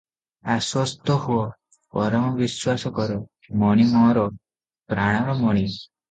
ଆଶ୍ୱସ୍ତହୁଅ; ପରମ ବିଶ୍ୱାସ କର, ମଣି ମୋର ପ୍ରାଣର ମଣି ।"